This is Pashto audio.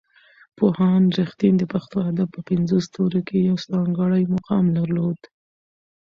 پوهاند رښتین د پښتو ادب په پنځو ستورو کې یو ځانګړی مقام درلود.